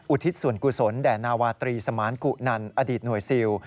อุทิศสวรรคุสลแด่นาวาตรีสมานกุนันอดีตหน่วยศิลป์